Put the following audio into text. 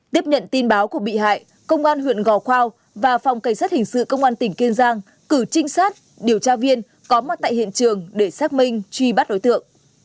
tiếp nhận tin báo của bị hại công an huyện gò khoao và phòng cảnh sát hình sự công an tỉnh kiên giang cử trinh sát điều tra viên có mặt tại hiện trường để xác minh truy bắt đối tượng